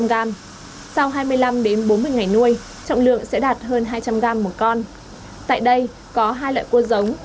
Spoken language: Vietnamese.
sau hai mươi năm bốn mươi ngày nuôi trọng lượng sẽ đạt hơn hai trăm linh gram một con tại đây có hai loại cua giống